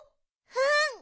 うん！